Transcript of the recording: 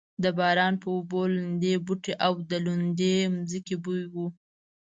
د باران په اوبو لمدې بوټې او د لوندې ځمکې بوی و.